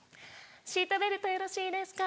シートベルトよろしいですか？